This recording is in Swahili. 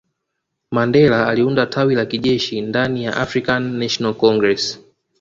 Mandela aliunda tawi la kijeshi ndaniya Afrikan national congress